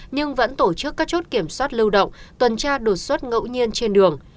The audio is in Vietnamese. nhưng vẫn tổ chức các chốt kiểm soát lưu động tuần tra đột xuất ngẫu nhiên trên đường